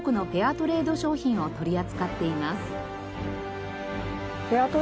トレード商品を取り扱っています。